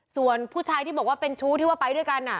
ส่วนผู้ชายที่บอกว่าเป็นชู้ที่ว่าไปด้วยกัน